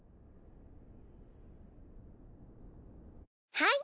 はい。